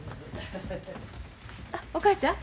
あお母ちゃん